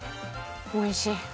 おいしい。